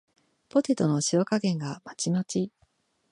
ポテトの塩加減がまちまち